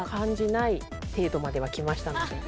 まではきましたので。